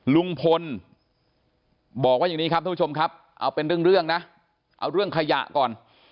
ลุงพลบอกว่าอย่างนี้ครับท่านผู้ชมครับเอาเป็นเรื่องนะเอาเรื่องขยะก่อน